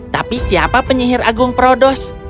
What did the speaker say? tapi siapa penyihir agung prodos